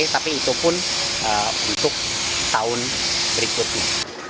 tapi itu pun untuk tahun berikutnya